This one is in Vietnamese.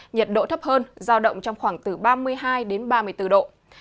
nhiệt độ thấp hơn giao động trong khoảng từ ba mươi hai đến ba mươi bốn độ